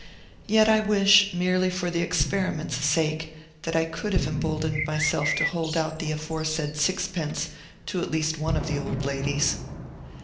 Yet I wish, merely for the experiment's sake, that I could have emboldened myself to hold out the aforesaid sixpence to at least one of the old ladies.